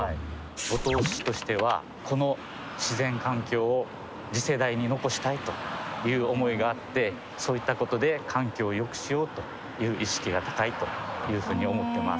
五島市としてはこの自然環境を次世代に残したいという思いがあってそういったことで環境をよくしようという意識が高いというふうに思ってます。